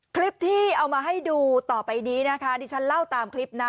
คลิปที่เอามาให้ดูต่อไปนี้นะคะดิฉันเล่าตามคลิปนะ